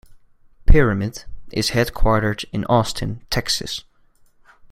"Pyramid" is headquartered in Austin, Texas.